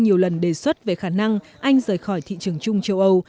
nhiều lần đề xuất về khả năng anh rời khỏi thị trường chung châu âu